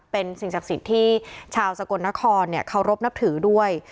เป็นสิ่งศักดิ์สิทธิ์ที่ชาวสกลนครเคารพนับถือด้วย